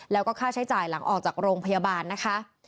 แล้วก็ค่าใช้จ่ายหลังออกจากโรงพยาบาลนะคะ